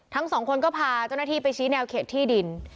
ทั้งสองคนก็พาเจ้าหน้าที่ไปชี้แนวเขตที่ดิน